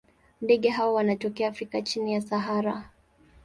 Ndege hawa wanatokea Afrika chini ya Sahara.